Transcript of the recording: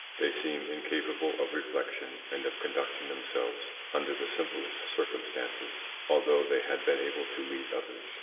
They seem incapable of reflection and of conducting themselves under the simplest circumstances, although they had been able to lead others.